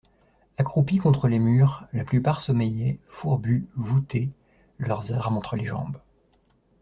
Accroupis contre les murs, la plupart sommeillaient, fourbus, voûtés, leurs armes entre les jambes.